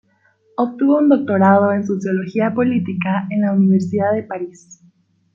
Obtuvo un doctorado en Sociología política en la Universidad de París.